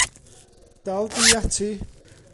Dal di ati.